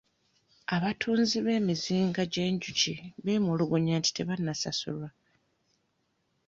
Abatunzi b'emizinga gy'enjuki beemulugunyizza nti tebannasasulwa.